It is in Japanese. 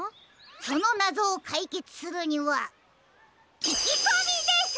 そのなぞをかいけつするにはききこみです！